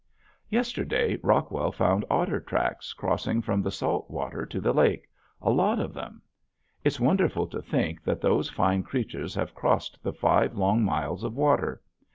Yesterday Rockwell found otter tracks crossing from the salt water to the lake, a lot of them. It's wonderful to think that those fine creatures have crossed the five long miles of water.